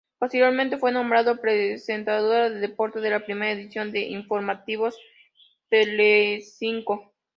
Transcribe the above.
Posteriormente, fue nombrada presentadora de deportes de la primera edición de "Informativos Telecinco".